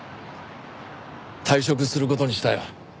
退職する事にしたよ。